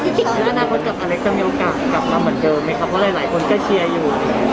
คืออนาคตกับอเล็กจะมีโอกาสกลับมาเหมือนเดิมมั้ยคะเพราะหลายคนก็เชียร์อยู่